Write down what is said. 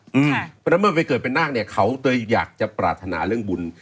เพราะฉะนั้นเมื่อไปเกิดเป็นนาคเนี่ยเขาเลยอยากจะปรารถนาเรื่องบุญ